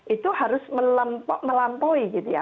itu harus melampaui gitu ya